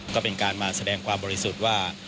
ก็เป็นการมาแสดงความบริสุทธิ์ว่า